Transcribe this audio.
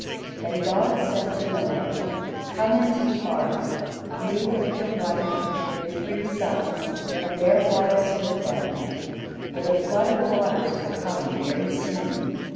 Then God said to Noah: "Come into the ark, you and your wife, and your three sons, and their wives with them; for the flood of waters will come very soon.